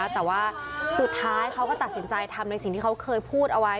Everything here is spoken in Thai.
แต่ว่าสุดท้ายเขาก็ตัดสินใจทำในสิ่งที่เขาเคยพูดเอาไว้